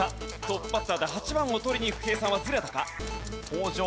トップバッターで８番を取りにいく計算はずれたか？